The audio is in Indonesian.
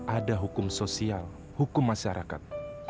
ada hukum sosial hukum masyarakat